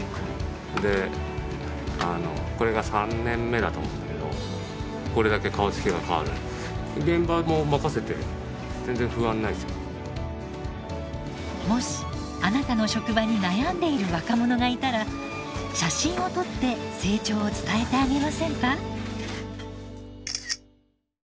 であのこれが３年目だと思うんだけどもしあなたの職場に悩んでいる若者がいたら写真を撮って成長を伝えてあげませんか？